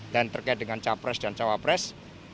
dan terkait dengan capres dan cawapres